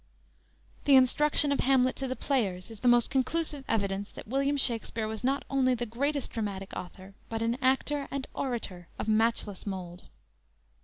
"_ The instruction of Hamlet to the players is the most conclusive evidence that William Shakspere was not only the greatest dramatic author, but an actor and orator of matchless mould.